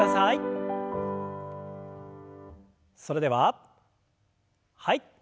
それでははい。